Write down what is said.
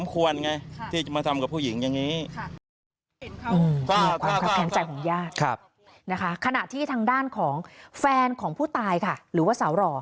ขณะที่ทางด้านของแฟนของผู้ตายค่ะหรือว่าสาวหล่อ